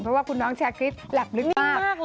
เพราะว่าคุณน้องชาคริสหลับลึกมาก